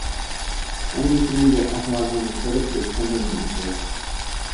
ئەمدى سېنىڭ بۇ ئەھۋالىڭنى كۆرۈپ، بىز سەندىن رەنجىدۇق.